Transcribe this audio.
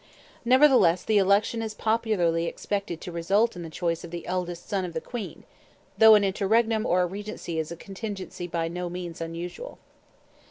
Nevertheless, the election is popularly expected to result in the choice of the eldest son of the queen, though an interregnum or a regency is a contingency by no means unusual.